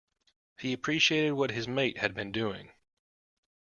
He appreciated what his mate had been doing.